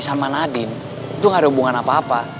sama nadiem itu gak ada hubungan apa apa